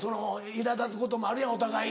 イラ立つこともあるやろお互い。